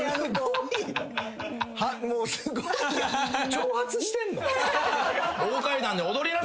挑発してんの？